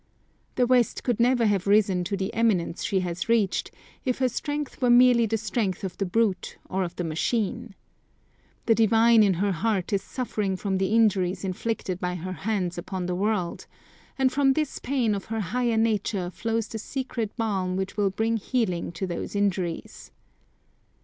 The West could never have risen to the eminence she has reached, if her strength were merely the strength of the brute, or of the machine. The divine in her heart is suffering from the injuries inflicted by her hands upon the world, and from this pain of her higher nature flows the secret balm which will bring healing to those injuries.